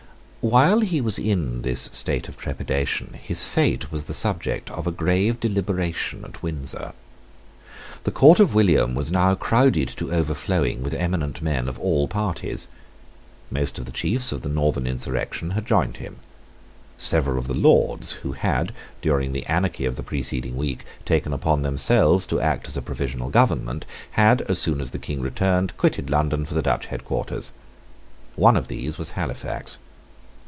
While he was in this state of trepidation, his fate was the subject of a grave deliberation at Windsor. The court of William was now crowded to overflowing with eminent men of all parties. Most of the chiefs of the Northern insurrection had joined him. Several of the Lords, who had, during the anarchy of the preceding week, taken upon themselves to act as a provisional government, had, as soon as the King returned, quitted London for the Dutch head quarters. One of these was Halifax.